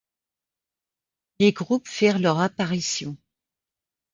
Les groupes firent leur apparition.